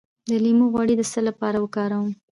د لیمو غوړي د څه لپاره وکاروم؟